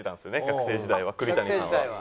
学生時代は栗谷さんは。